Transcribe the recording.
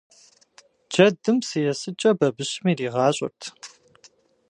Джэдым псы есыкӀэ бабыщым иригъащӀэрт.